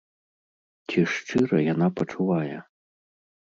Ці шчыра яна пачувае?